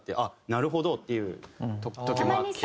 なるほどっていう時もあって。